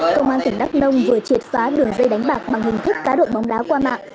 cơ quan tỉnh đắk nông vừa triệt phá đường dây đánh bạc bằng hình thức cá đội bóng đá qua mạng